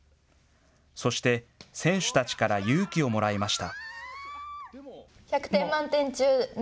そして、選手たちから勇気をもらいました。